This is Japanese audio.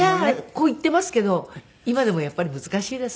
こう言っていますけど今でもやっぱり難しいです。